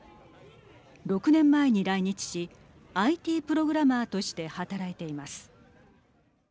６年前に来日しＩＴプログラマーとして働いています。